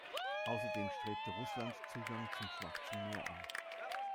Außerdem strebte Russland Zugang zum Schwarzen Meer an.